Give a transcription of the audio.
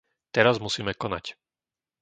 Teraz musíme konať.